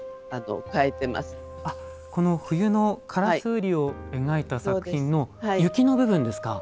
あっこの冬のからすうりを描いた作品の雪の部分ですか。